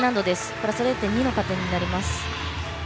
プラス０．２の加点になります。